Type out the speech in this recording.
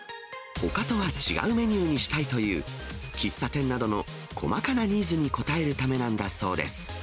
他とは違うメニューにしたいという喫茶店などの細かなニーズに応えるためなんだそうです。